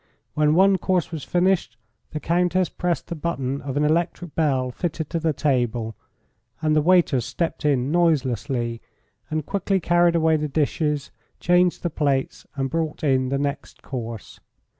When one course was finished, the Countess pressed the button of an electric bell fitted to the table and the waiters stepped in noiselessly and quickly carried away the dishes, changed the plates, and brought in the next course.